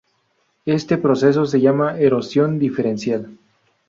Este proceso se llama erosión diferencial.